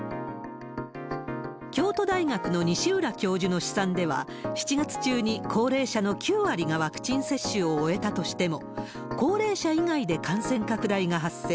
京都大学の西浦教授の試算では、７月中に高齢者の９割がワクチン接種を終えたとしても、高齢者以外で感染拡大が発生。